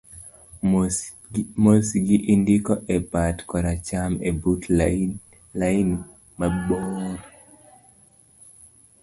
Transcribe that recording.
mosgi indiko e bat koracham ebut lain mabor